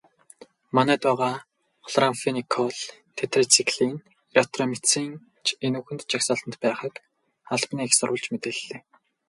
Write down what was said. Манайд байгаа хлорамфеникол, тетрациклин, эритромицин ч энэхүү жагсаалтад байгааг албаны эх сурвалж мэдээллээ.